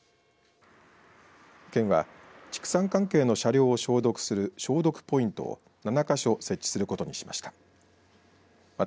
県は、畜産関係の車両を消毒する消毒ポイントを７か所設置することにしました。